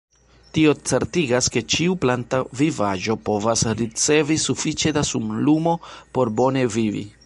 Tio certigas, ke ĉiu planta vivaĵo povas ricevi sufiĉe da sunlumo por bone vivi.